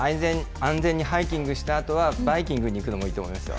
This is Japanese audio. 安全にハイキングしたあとは、バイキングに行くのもいいと思いますよ。